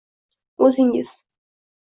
“O’zingiz.”